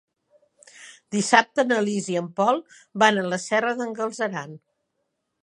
Dissabte na Lis i en Pol van a la Serra d'en Galceran.